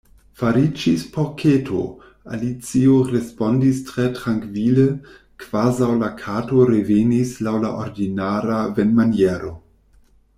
"Fariĝis porketo," Alicio respondis tre trankvile, kvazaŭ la Kato revenis laŭ la ordinara venmaniero.